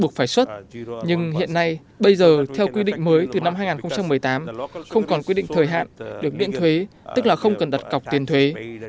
buộc phải xuất nhưng hiện nay bây giờ theo quy định mới từ năm hai nghìn một mươi tám không còn quy định thời hạn được miễn thuế tức là không cần đặt cọc tiền thuế